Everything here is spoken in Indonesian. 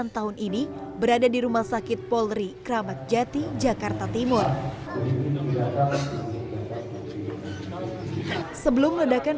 sembilan tahun ini berada di rumah sakit polri kramatjati jakarta timur sebelum ledakan